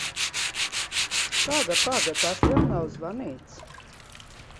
Paga, paga, tas vēl nav zvanīts!